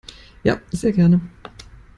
Ja, sehr gerne.